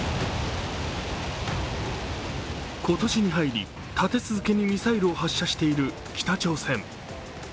今年に入り、立て続けにミサイルを発射している北朝鮮。